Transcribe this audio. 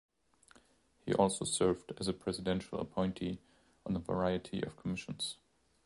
He also served as a presidential appointee on a variety of commissions.